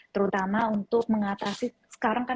terutama untuk mengatasi sekarang kan